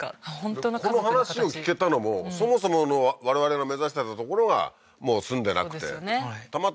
この話を聞けたのもそもそもの我々が目指してた所がもう住んでなくてそうですよね